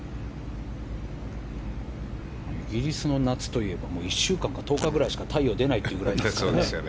イギリスの夏といえば１週間か１０日くらいしか太陽が出ないというくらいですからね。